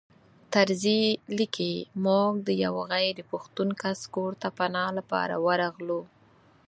طرزي لیکي موږ د یوه غیر پښتون کس کور ته پناه لپاره ورغلو.